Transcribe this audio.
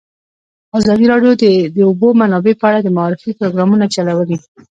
ازادي راډیو د د اوبو منابع په اړه د معارفې پروګرامونه چلولي.